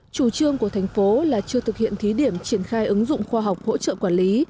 chủ trương của thành phố là chưa thực hiện thí điểm triển khai ứng dụng khoa học hỗ trợ quản lý